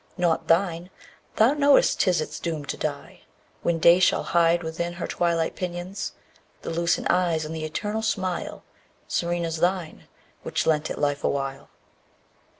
Not thine. Thou knowest 'tis its doom to die, When Day shall hide within her twilight pinions The lucent eyes, and the eternal smile, _15 Serene as thine, which lent it life awhile.